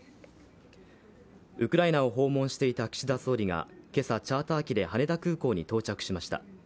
ウクライナを訪問していた岸田総理が今朝チャーター機で羽田空港に到着しました。